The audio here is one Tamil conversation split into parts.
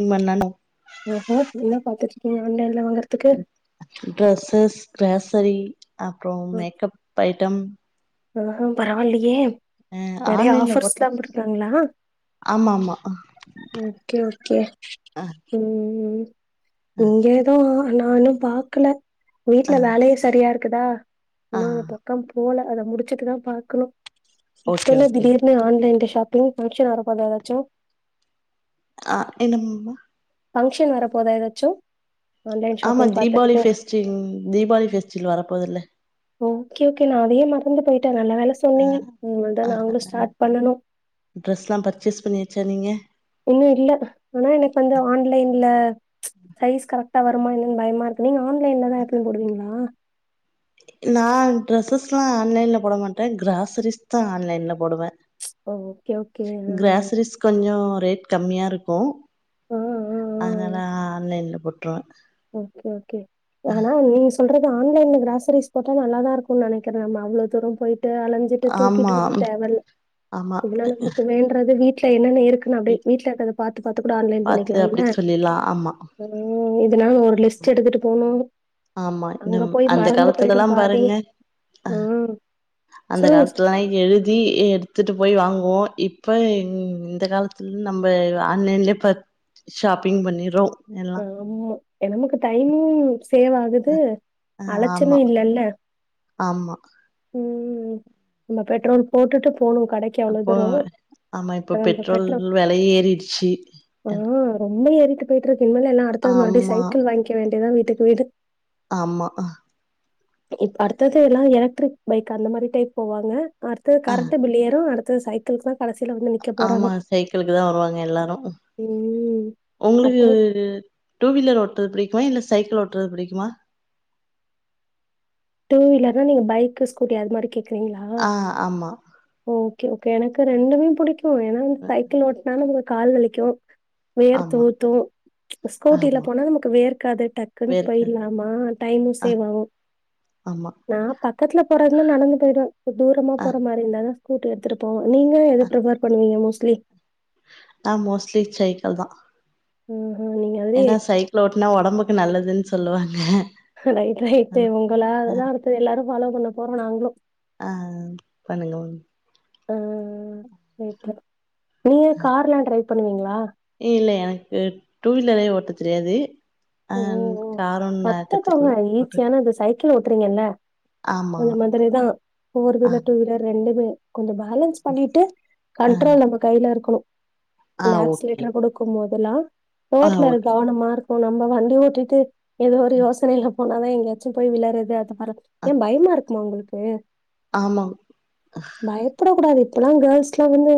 இல்ல நேண்டா நீங்க ஃபோன் [unintelligible] ஆன்லைன்ல வாங்கறதுக்கு ட்ரெஸ்ஸஸ் க்ராசரி அப்புறொம் மேக்கப் ஐட்டம் ஆ பரவாயில்லையே அ நறைய ஆன்லைன்ல போட்டா ஆஃபர்ஸ்ல்லாம் குடுக்ராங்ளா ஆமா ஆமா ஓகே ஓகே அ ம் ம் அ இங்கேதா நா இன்னும் பாக்கல வீட்ல அ வேலையே சரியா இருக்குதா ஆ இன்னு அந்த பக்கம் போல அத முடிச்சுட்டுதா பாக்கணும் இப்ப ஓகே ‌என்ன ஓகே திடீர்னு ஆன்லைன்ல ஷாப்பிங் ஃபங்க்ஷன் வர போதா ஏதாச்சும் ஆ என்னமம்மா ஃபங்ஷன் வர போதா எதாச்சு ஆமா தீபாளி ஃபெஸ்டிங் தீபாவளி ஃபெஸ்டிவல் வரப்போதுல்ல ஓகே ஓகே நா அதயே மறந்து போயிட்டே நல்ல வேல ஆ சொன்னீங்க இனிமதா நாங்களு ஸ்டார்ட் பண்ணனு ட்ரெஸ்லாம் பர்ச்சேஸ் பண்ணியாச்சா நீங்க இன்னு இல்ல ஆனா எனக்கு வந்து ஆன்லைன்ல சைஸ் கரெக்டா வருமா என்னன்னு பயமா இருக்கு நீங்க ஆன்லைன்லதா எப்பயு போடுவீங்களா நா ட்ரெஸ்ஸஸ்ல்லா ஆன்லைன்ல போட மாட்டே க்ராசரிஸ் தா ஆன்லைன்ல போடுவே ஓ ஓகே ஓகே ஆ க்ராசரிஸ் கொஞ்சொ ரேட் கம்மியா இருக்கூ ஆ ஆ ஆ ஆ அதனால ஆன்லைன்ல போட்ருவே ஓகே ஓகே அதனால [unintelligible] சொல்றது ஆன்லைன்ல கிராசரிஸ் போட்ட நல்லா தா இருக்கூன் நெனைக்கிறே நம்ம அவ்ளோ தூரம் போயிட்டு அலஞ் ட்டு தூக்கிட்டு ஆமா [unintelligible] ஆமா வீட்டுல என்னென்ன இருக் க்குனு அப்டியே வீட்ல வீட்டுல இருக்கத பாத்து பாத்து கூட ஆன்லைன் பாத்து பண்ணிக்லா இல்ல அப்டி சொல்லிலா ஆமா ம் இதனால ஒரு லிஸ்ட் எடுத்துட்டு போனு ஆமா அங்க நம் போய் அந்த மறந்து காலத்துலலா போயிடும் பாதி பாருங்க அ ம் அந்த சொல்லுங்க காலத்துலல்லா எழுதி தி எடுத்துட்டு போய் வாங்குவோ இப்ப இந்த காலத்துல நம்ப ஆன்லைன்லயே பர் ஷாப்பிங் பண்ணிறோ ஆமா நமக்கு டைமிங் சேவ் ஆகுது அ அலைச்சலு ஆமா ஆமா ம் ம் நம்ம பெட்ரோல் போட்டுட்டு போகணு கடைக் அப்போ ஆமா இப்போ பெட்ரோல் வெலைய ஏறிடுச்சி ம் ரொம்ப ஏறிட்டு போயிட்ருக்கு இனிமே எல்லா அடுத்து மறுபடி ஆமா சைக்கிள் வாங்கிக்க வேண்டியதா வீட்டுக்கு வீடு ஆமா இப்ப அடுத்தது எல்லா எலக்ட்ரிக் பைக் அந்த மாரி டைப் போவாங்க அடுத்து அ கரண்டு பில்லேரு அடுத்து சை க்கிள்குதா கடைசியில வந்து நிக்க ஆமா போறாங்க சைக்கிளுக்கு தா வருவாங்க எல்லாரு ம் உங்களுக்கு அடுத்தது டூ வீலர் ஓட்றது பிடிக்குமா இல்ல சைக்கிள் ஓட்றது பிடிக்குமா டூ வீலர்னா நீங்க பைக்கு ஸ்கூட்டி அது மாரி கேக்குறீங்களா ஆ ஆமா ஓகே ஓகே எனக்கு ரெண்டுமே பிடிக்கு ஏன்னா வந்து அ சைக்கிள் ஓட்னா நமக்கு கால் வலிக்கு வேற்து ஆமா ஊத்து ஸ்கூட்டில ஆமா போனா நமக்கு வேர்க்காது டக்குன் வேர்க போய்ட்லாமா டைமு ஆ சேவ் ஆவு ஆமா நா பக்கத்துல போறதுன்னா நடந்து போயிடுவோ தூரமா ஆ போற மாரி இருந்தாதா ஸ்கூட்டி எடுத்துட்டு போவொ நீங்க ஆ எத பிரிஃபர் பண்ணுவீங்க மோஸ்ட்லி நா மோஸ்ட்லி சைக்கிள் தா ஆஹா நீங்க அதே ஏன்னா சைக்கிள் ஓட்னா ஒடம்புக்கு நல்லதுன்னு சொல்லுவாங்க ரைட் ரைட்டு ஆ உங்களாலதா அடுத்து எல்லாரு ஃபாலோ பண்ண போறோ நாங்களு ஆ பண்ணுங்கம் ஆ ஆ இப்பொ நீங்க கார்ல்லா டிரைவ் பண்ணுவீங்களா இல்ல எனக்கு டூ வீலரே ஓட்ட தெரியாது ஆ ஓ ஓ காரோ நா கத்துக்கல போட்டு க்கிள் ஓட்டுறீங்கல்ல அந் மாதிரிதா ஃபோர் ஆ வீலர் டூ வீலர் ரெண்டுமே கொஞ்ச பேலன்ஸ் பண்ணிட்டு ஆ கண்ட்ரோல் நம்ம கையில இருக்கணு ஆ இந்த ஓகே ஆக்சிலேட்டர் குடு க்கும் போதெல்லா ஆ ரோட்ல ஓகே கவனமா இருக்கு நம்ம வண்டி ஓட்டிட்டு ஏதோ ஒரு யோசனைல போனாதா எங்கயாச்சு போய் விளறது அது மாரி ஆ ஏ பயமா இருக்குமா உங்களுக்கு ஆமா ப்புடக்க இப்பல்லா கேர்ள்ஸ்லா வந்து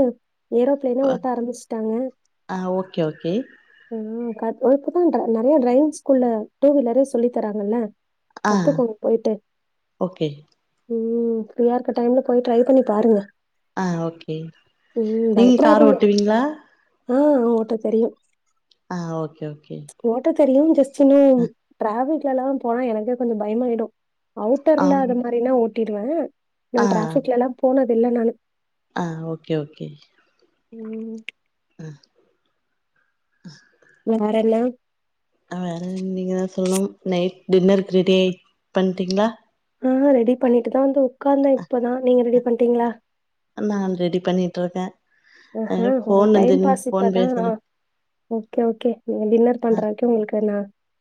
ஏரோ பிளைனே அ ஓட்ட ஆரம்பிச்சுட்டாங்க ஆ ஓகே ஓகே ஆ கத் இப்போதா ட்ர நறைய டிரைவிங் ஸ்கூல்ல டூ வீலரே சொல்லி தராங்கல்ல ஆ கத்துக்கோங்க போயிட்டு ஓகே ம் ஃப்ரீயா இருக்க டைம்ல போய் ட்ரை பண்ணி பாருங்க ஆ ஓகே ம் நீங்க கார் பயப்படாதீங்க ஓட்டுவீங்களா ஆ ஓட்ட தெரியு ஆ ஓகே ஓகே ஓட்ட தெரியு ஜஸ்ட் இன்னு ஆ டிராஃபிக்ல எல்லா போனா எனக்கே கொஞ்ச பயமாயிடு அவுட்டர்ல ஆம் அது மாரினா ஓட்டிடுவே நா ஆ டிராஃபிக்லல்லா போனது இல்ல நானு ஆ ஓகே ஓகே ம் அ வேற என்ன அ வேற நீங்க தா சொல்னு நைட் டின்னருக்கு ரெடி ஆயி பண்ட்டீங்களா ஆ ரெடி பண்ணிட்டுதா வந்து உக்காந்தே இப்பதா நீங்க ரெடி பண்ட்டீங்களா நா ரெடி பண்ணிட்டுருக்கே அஹா உங்க டைம் பாஸ் இப்பதா பேசுறே ம் ஓகே ஓகே நீங்க டின்னர் ஆ பண்றக்கே உங்களுக்கு நா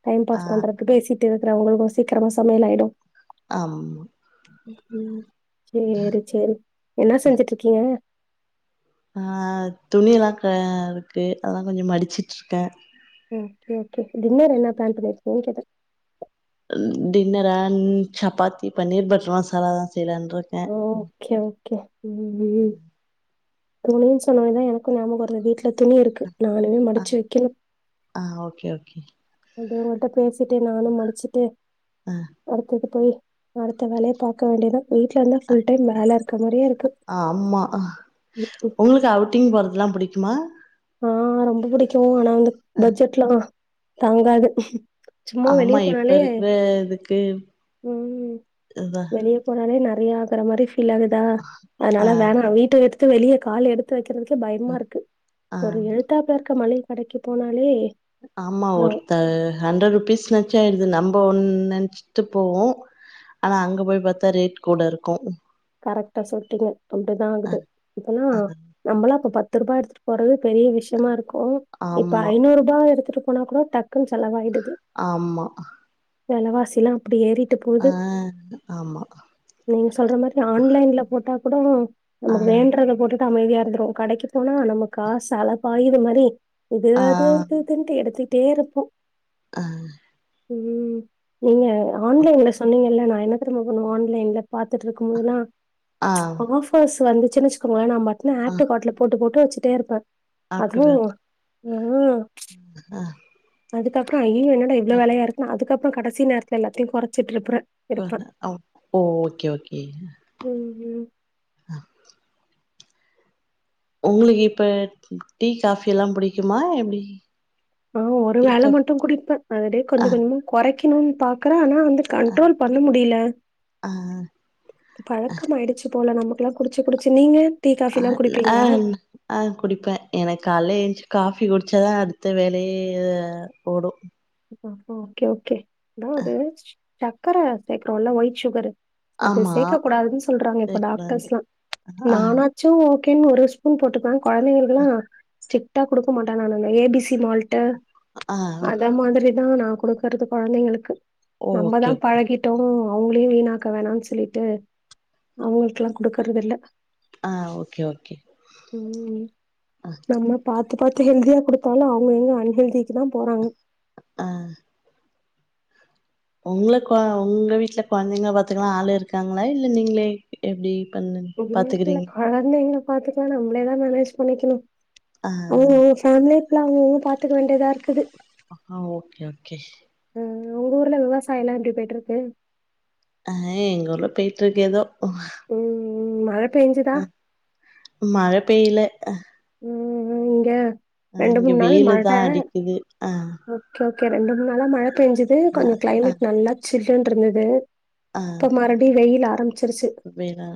டைம் ஆ பாஸ் பண்றது பேசி ட்டு இருக்குற உங்களுது சீக்கிரமா சமையல் ஆயிடு ஆம் ம் சேரி சேரி என்னா செஞ்சிட்டு இருக்கீங்க ஆ துணிலா க இருக்கு அதா கொஞ்ச மடிச்சிட்டு இருக்கன் ம் ஓகே டின்னர் என்னா பிளான் பண்ணிருக்கிங்க கேட்ட டின்னரா சப்பாத்தி பன்னீர் பட்டர் மசாலா தா செய்லானு இருக்க ஓகே ஓகே ம் ம் ம் ம் துணின் சொன்ன ஒன்னேதா எனக்கும் ஞாபக வருது வீட் ல துணி இருக்கு நானு ஆ மடிச்சி வக்கிணு ஆ ஓகே ஓகே அப்டே உங்ககிட்ட பேசிட்டே நானு மடிச்சிட்டு ஆ அடுத்த இது போயி அடுத்த வேலைய பாக்க வேண்டியதா வீட்ல இருந்தா ஃபுல் டைம் வேல இருக்க மாரியே இருக்கு ஆ ஆமா ம் கு உங்களுக்கு அவுட்டிங் போறதலா புடிக்குமா ஆ ரொம்ப புடிக்கும் ஆனா வந்து பட்ஜெட்ல்லா தாங்காது சும்மா வெளிய ஆமா இப்ப போனாலே இருக்கிற இதுக்கு ம் இதா வெளிய போனாலே நறையா ஆகுற மாரி ஃபீல் ஆகுதா அதனால ஆ வேணா வீட்ட எடுத்து வெளிய கால் எடுத் து வைக்கிறதுக்கே பயமா ஆ இருக்கு ஒரு ஆ எதுத்தாப்பல இருக்க மள்ளிக கடைக்கி போனாலே ஆமா ஆ ஒருத்த ஹண்ட்ரட் ருபீஸ் நென்ச்சி ஆயிடுது நம்போ ஒன் நென்ச்சிட்டு போவோ ஆனா அங்க போய் பாத்தா ரேட் கூட இருக்கும் கரக்ட்டா சொல்லிட்டீங்க அப்டிதா ஆகுது இப்பலா நம்பளா இப்ப பத்து ரூபா எடுத்துட்டு போறது பெரிய விஷியமா இருக்கும் இப்ப ஆமா ஐநூரூபா எடுத்துட்டு போனா கூட டக்குன் செலவாயிடுது ஆமா வெலவாசிலா அப்டி ஏறிட்டு போது ஆ ஆமா நீங்க சொல்ற மாரி நா ஆன்லைன்ல போட்டா கூடோ ஆ நமக்கு வேண்டறத போட்டுட்டு அமைதியா இருந்துருவோ கடைக்கு போனா நம்ம காசு அலப்பாயிது மாரி இது ஆ அது இது இதுன்ட்டு எடுத்துகிட்டே இருப்போ ஆ ம் நீங்க ஆன்லைன்ல சொன்னீங்கல்ல நா என்ன தெரிமா பண்ணுவோ ஆன்லைன்ல பாத்துட்டு இருக் கும்போதுல்லா ஆ ஆபர்ஸ் வந்துச்சின்னு வச்சுக்கோங்கள நா பாட் டுனு ஆ ஆட் டூ காட்ல போட்டு போட்டு வச்சிட்டே இருப்ப அதுவும் ம் ம் ஆ அதுக்கப்புற ஐய்யயோ என்னாட இவ்ளோ ஆ வெலையா இருக்குனு அதுக்கப்புற கடைசி நேரத்துல எல்லாத்தையும் கொறச்சிட்டு இருப்புற ஓ ஓகே ஓகே ம் ம் உங்களுக்கு இப்ப டீ காஃபி எல்லா புடிக்குமா எப்டி ஆமா ஒரு டீ வேல காஃபி மட்டு குடிப்பன் அதோடே கொஞ்ச ஆ கொஞ்சமா கொறைக்கணும் பாக்கற ஆனா வந்துட் கண்ட்ரோல் பண்ண முடியில ஆ பழக்கம் ஆயிடுச்சி போல நமக்குல்லா குடிச்சி குடிச்சி நீங்க டீ காஃபி எல்லா ஆ குடிப்பீங்களா ஆ குடிப்பன் எனக்கு கால்ல ஏன்ச்சி காஃபி குடிச்சாதா அடுத்த வேலயே ஓடும் அப்ப ஓகே ஓகே அதா அது சக்கர சேக்கறோம் இல்ல ஒயிட் சுகரு அது ஆமா சேக்கக் கூடாதுன்னு சொல்றாங்க இப்ப டாக்டர்ஸ்லா ஆ நானா ச்சும் ஓகேன்னு ஒரு ஸ்பூன் போட்டுக்குவ கொழந்தைங்களுக்குலா ஸ்டி ட்டா குடுக்க மாட்டன் நானு இந்த ஏபிசி மால்ட்டு ஆ அந்த மாதிரிதா நா குடுக்கறது கொழந்தைங்களுக்கு நம்ம ஓகே தா ஓகே பழகி ட்டோம் அவங்களையும் வீணாக்க வேணான் சொல்லிட்டு அவுங்களுக்குல்லாம் குடுக்கறது இல்ல ஆ ஓகே ஓகே ம் ம் ஆமா பார்த்து பார்த்து ஹெல்தியா கொடுத்தாலலூ அவங்க எங்க அன்ஹெல்திக்கு தா போறாங்க ஆ உங்களக் ஆ உங்க வீட்ல கெழந்தைங்கள பார்த்துக்கலா ஆளு இருக்காங்களா இல்ல நீங்களே எப்டி பண் பாத்துக்கீறீங்க கெலந்தீங்கள பாத்துக்கனோ நம்மளேதா மேனேஜ் பண்ணிக்கணோ [unintelligible] ஆ [unintelligible] அவங்கவுங்க பார்த்துக்க வேண்டியதா இருக்குது அ ஓகே ஓகே ம் ம் உங் ஊர்ல விவசாயம்ல்லா எப்டி போயிட்டு இருக்கு அ எங்க ஊர்ல போய்ட்டு இருக்க ஏதோ ம் ம் ம் மழ பெஞ்சுதா மழை பெய்ல ம் ம் இங்க ரெண்டு இங்க மூண் நாள் வெயிலு தா மழஹ அடிக்குது ஆ ஓகே ரெண்டு மூணு நாளா மழ பெய்ஞ்சுது ஆ கொஞ்சொ ஆ கிளைமேட் நல்லா சில்லுன்னு இருந்தது ஆ இப்ப மறுப்படியூ வெயில் ஆரம்பிச்சுடிச்சு வேணா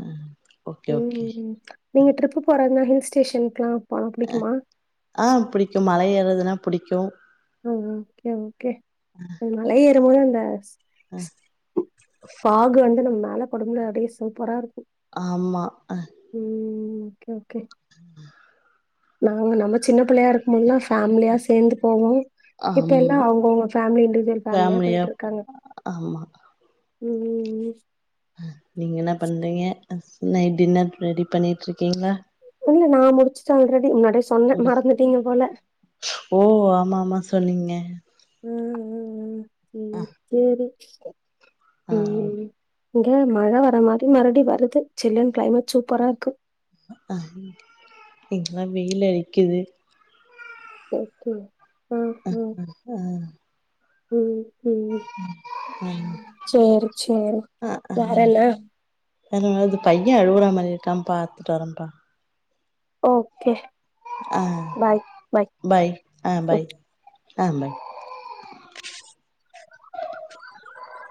ஓகே ஓகே ம் நீங்க ட்ரிப்பு போறதுனா ஹில் ஸ்டேஷன்லா போனா புடிக்குமா ஆ புடிக்கும் மல ஏற்றதுனா புடிக்கூ ம் ம் ஓகே ஓகே உம் அந்த ளையேறும் போது இந்த ஆ ஃபாகு வந்து நம்ம மேல படும்ல அப்டியே சூப்பரா இருக்கூ ஆமா ம் ஓகே ஓகே உஹம் நாங்க நம்ம சின்ன பிள்ளையா இருக்கூ போதுல்லா ஃபேமிலியா சேர்ந்து போவோ இப்ப எல்லா ஆமா அவங்கவுங்க ஃபேமிலி இண்டியூஜல் ஃபேமிலியா போயிட்டு இருக்காங்க ஆமா ம் ம் ம் நீங்க என்ன பண்றீங்க நைட் டின்னர் ரெடி பண்ணிட்டு இருக்கீங்களா இல்ல நா முடிச்சுட்டு ஆல்ரெடி முன்னாடியே சொன்னே முடிச் மறந்துட்டீங்க போல ஓ ஆமா ஆமா சொன்னீங்க ம் ம் ம் ம் செரி ஆ ம் ம் இங்க மழ வர மாதிரி மறுபடியூ வருது சில்லனு கிளைமேட் சூப்பரா இருக்கு ஹ இங்கல்லா வெயில் அடிக்குது ஓகே ஆ ம் ம் ம் சேர் சேரி வேறன்ன அம் அது பையன் அழுவுற மாதிரி இருக்கான் பாரத்துட்டு வரேம்பா ஓ கே ஆ பாய் ஆ பாய் ஆ பாய் [unintelligible]